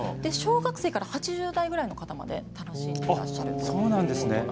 小学生から８０代ぐらいの方まで楽しんでいらっしゃるということです。